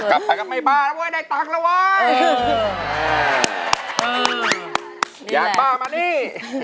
กลับไปก็ไม่บ้านะเว้ยได้ตังค์แล้วเว้ยอยากบ้ามานี่